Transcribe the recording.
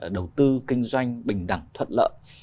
đầu tư kinh doanh bình đẳng thuận lợi